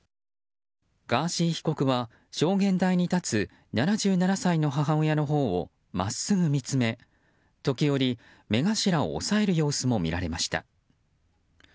ガーシー被告は、証言台に立つ７７歳の母親のほうを真っすぐ見つめ、時折目頭を押さえる様子も見られました。